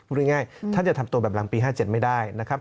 พูดง่ายท่านจะทำตัวแบบหลังปี๕๗ไม่ได้นะครับ